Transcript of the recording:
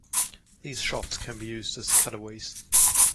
These shots can be used as cutaways.